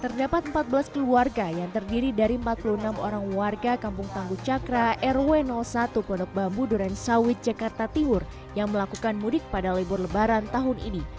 terdapat empat belas keluarga yang terdiri dari empat puluh enam orang warga kampung tangguh cakra rw satu pondok bambu durensawit jakarta timur yang melakukan mudik pada libur lebaran tahun ini